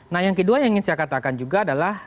nah yang kedua yang ingin saya katakan juga adalah